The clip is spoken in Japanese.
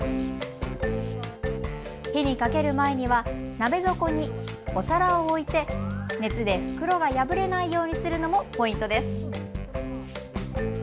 火にかける前には鍋底にお皿を置いて熱で袋が破れないようにするのもポイントです。